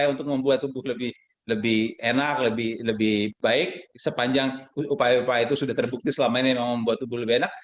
untuk membuat tubuh lebih enak lebih baik sepanjang upaya upaya itu sudah terbukti selama ini memang membuat tubuh lebih enak